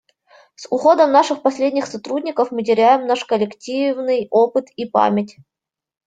С уходом наших последних сотрудников мы теряем наш коллективный опыт и память.